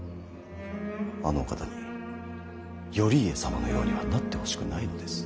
あのお方に頼家様のようにはなってほしくないのです。